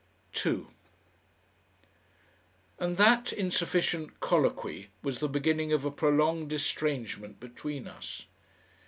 2 And that insufficient colloquy was the beginning of a prolonged estrangement between us.